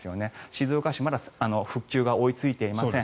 静岡市、まだ復旧が追いついていません。